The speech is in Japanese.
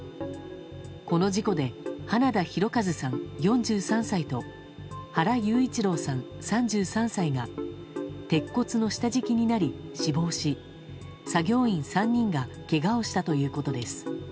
この事故で花田大和さん、４３歳と原裕一郎さん、３３歳が鉄骨の下敷きになり死亡し作業員３人がけがをしたということです。